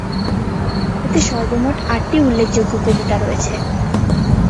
এতে সর্বমোট আটটি উল্লেখযোগ্য কবিতা রয়েছে।